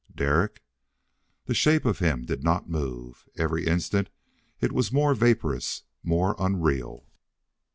"Derek!" The shape of him did not move. Every instant it was more vaporous, more unreal.